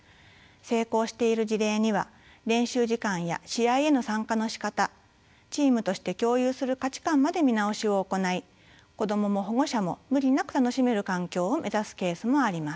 成功している事例には練習時間や試合への参加のしかたチームとして共有する価値観まで見直しを行い子どもも保護者も無理なく楽しめる環境を目指すケースもあります。